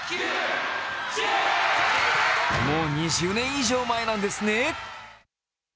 もう２０年以上前なんですね。